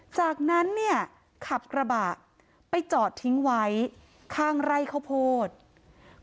จากนั้นเนี่ยขับกระบะไปจอดทิ้งไว้ข้างไร่ข้าวโพด